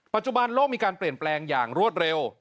ปัจจุบันโลกมีการเปลี่ยนแปลงอย่างรวดเร็ว